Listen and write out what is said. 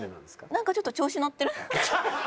なんかちょっと調子乗ってるな。